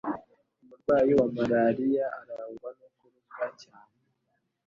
umurwayi wa malariya arangwa no kuruka cyane